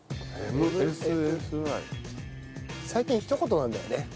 最近ひと言なんだよね。